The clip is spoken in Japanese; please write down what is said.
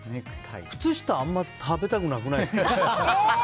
くつした、あんまり食べたくなくないですか？